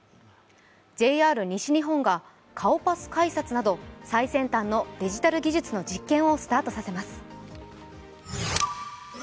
ＪＲ西日本が顔パス改札など最先端のデジタル技術の実験をスタートさせます。